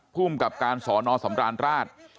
ภูมิกับการสอนอสำราญราช